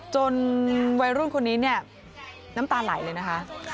วัยรุ่นคนนี้เนี่ยน้ำตาไหลเลยนะคะ